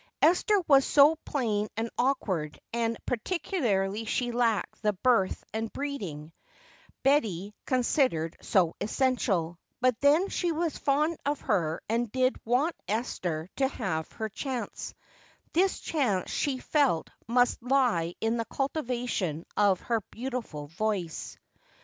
Esther was so plain and awkward and particularly she lacked the birth and breeding Betty considered so essential, but then she was fond of her and did want Esther to have her chance this chance she felt must lie in the cultivation of her beautiful voice.